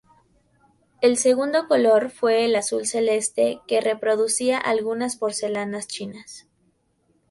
El segundo color fue el azul celeste que reproducía algunas porcelanas chinas.